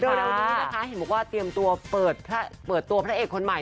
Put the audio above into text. เร็วนี้นะคะเห็นบอกว่าเตรียมตัวเปิดตัวพระเอกคนใหม่